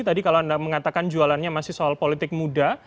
tadi kalau anda mengatakan jualannya masih soal politik muda